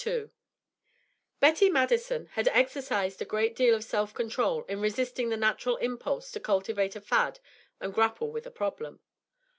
II Betty Madison had exercised a great deal of self control in resisting the natural impulse to cultivate a fad and grapple with a problem.